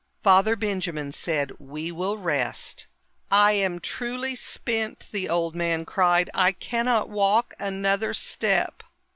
Father Benjamin said, "We will rest." "I am truly spent!" the old man cried. "I cannot walk another step."